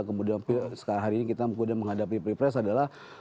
kemudian sekarang hari ini kita menghadapi pilpres adalah